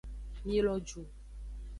Mi lo ju.